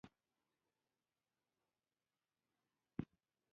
بیا به و ارزول شي چې دا خوځښتونه کله ماتې خوري.